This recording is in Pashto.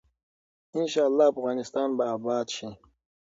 ان شاء الله افغانستان به اباد شي.